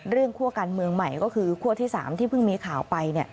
คั่วการเมืองใหม่ก็คือคั่วที่๓ที่เพิ่งมีข่าวไป